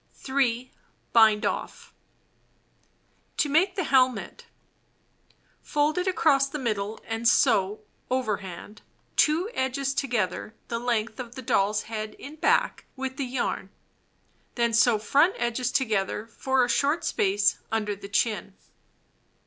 3. Bind off. 'Read^for To Make the Helmet Fold it across the middle and sew (overhand) 2 edges together the length of the doll's head in back with the yarn. Then sew front edges together for a short space under the chin.